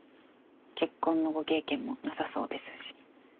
結婚のご経験もなさそうですし。